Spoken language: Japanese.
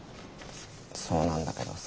そうなんだけどさ。